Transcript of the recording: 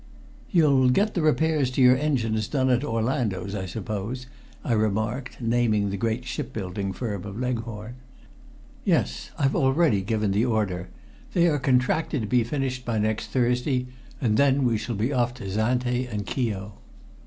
"You'll get the repairs to your engines done at Orlando's, I suppose?" I remarked, naming the great shipbuilding firm of Leghorn. "Yes. I've already given the order. They are contracted to be finished by next Thursday, and then we shall be off to Zante and Chio."